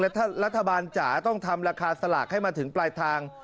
ถ้ารัฐบาลจ๋าต้องทำราคาสลากให้มาถึงปลายทาง